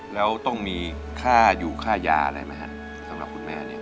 แล้วต้องมีค่าอยู่ค่ายาอะไรไหมฮะสำหรับคุณแม่เนี่ย